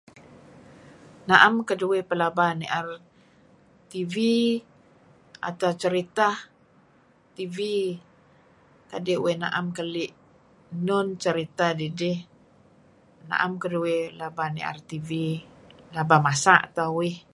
Naem keduih pelaba mier TV atau ceritah TV. Edtah kadi' uih naem keli' enun ceriya dah dih. Naem keduih pelaba nier TV. Pelaba masa' tah uih.